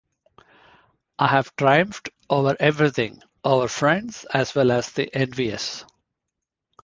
I have triumphed over everything, over friends as well as the envious.